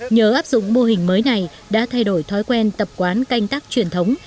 nhớ áp dụng mô hình mới này đã thay đổi thói quen tập quán canh tắc truyền thống